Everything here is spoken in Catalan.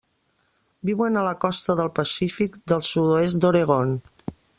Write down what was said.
Viuen a la costa del Pacífic del sud-oest d'Oregon.